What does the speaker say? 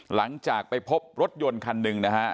หลังจากไปพบรถยนต์คันหนึ่งนะฮะ